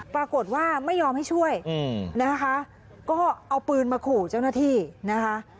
ปรากฏว่าไม่ยอมให้ช่วยนะคะก็เอาปืนมาขู่เจ้าหน้าที่นะคะ